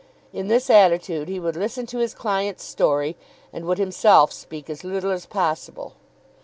In this attitude he would listen to his client's story, and would himself speak as little as possible.